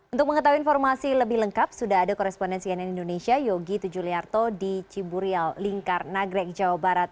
untuk mengetahui informasi lebih lengkap sudah ada korespondensi nn indonesia yogi tujuliarto di ciburial lingkar nagrek jawa barat